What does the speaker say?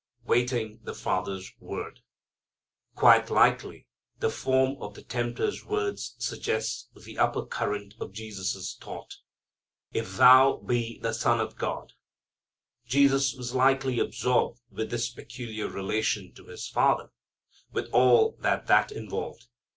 Waiting the Father's Word. Quite likely the form of the tempter's words suggests the upper current of Jesus' thought. "If thou be the Son of God." Jesus was likely absorbed with His peculiar relation to His Father, with all that that involved.